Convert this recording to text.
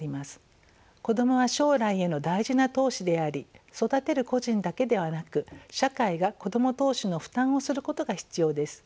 子どもは将来への大事な投資であり育てる個人だけではなく社会が子ども投資の負担をすることが必要です。